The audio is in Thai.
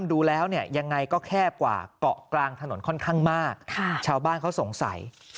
ดูแล้วเนี่ยยังไงก็แคบกว่าเกาะกลางถนนค่อนข้างมากชาวบ้านเขาสงสัย